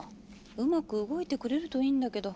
うまく動いてくれるといいんだけど。